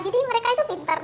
jadi mereka itu pinter